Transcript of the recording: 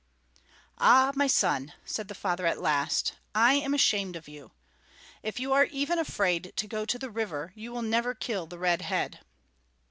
"Ah, my son," said the father at last, "I am ashamed of you. If you are even afraid to go to the river, you will never kill the Red Head."